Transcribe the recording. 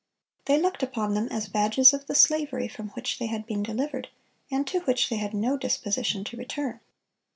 They looked upon them as badges of the slavery from which they had been delivered, and to which they had no disposition to return.